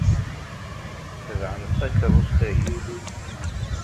Tebɛem takeṛṛust-ayi.